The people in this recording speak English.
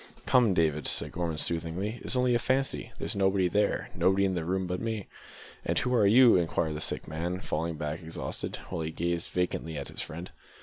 "Come, David," said Gorman soothingly, "it's only a fancy there's nobody there nobody in the room but me." "And who are you?" inquired the sick man, falling back exhausted, while he gazed vacantly at his friend.